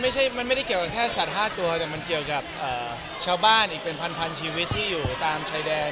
ไม่ใช่มันไม่ได้เกี่ยวกับแค่สัตว์๕ตัวแต่มันเกี่ยวกับชาวบ้านอีกเป็นพันชีวิตที่อยู่ตามชายแดน